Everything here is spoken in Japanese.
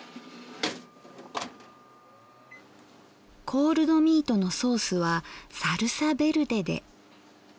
コールドミートのソースはサルサベルデで。